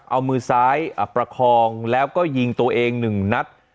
เอามือซ้ายประคองแล้วก็ยิงตัวเอง๑นัด